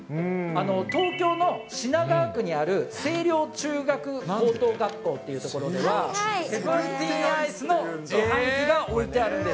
東京の品川区にある青稜中学・高等学校という所では、セブンティーンアイスの自販機が置いてあるんです。